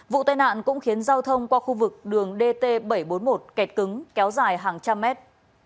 vụ tai nạn cũng khiến giao thông qua khu vực đường dt bảy trăm bốn mươi một kẹt cứng kéo dài hàng trăm mét